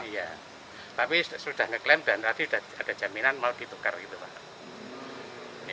iya tapi sudah ngeklaim dan tadi sudah ada jaminan mau ditukar gitu pak